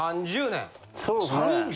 ３０年！？